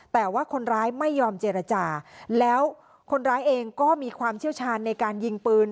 แต่ว่าคนร้ายไม่ยอมเจรจาแล้วคนร้ายเองก็มีความเชี่ยวชาญในการยิงปืน